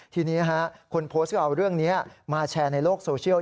ทีนี้คนโพสต์ก็เอาเรื่องนี้มาแชร์ในโลกโซเชียล